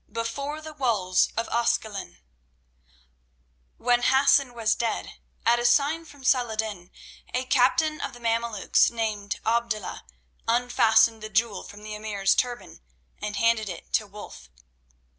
Before the Walls of Ascalon When Hassan was dead, at a sign from Saladin a captain of the Mameluks named Abdullah unfastened the jewel from the emir's turban and handed it to Wulf.